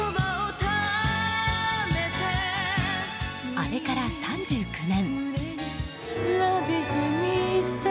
あれから３９年。